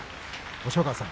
押尾川さん